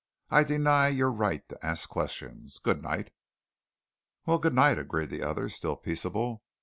I deny your right to ask questions. Good night." "Well, good night," agreed the other, still peaceable.